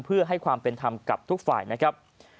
เพื่อให้ความเป็นธรรมกับทุกฝ่ายนะครับ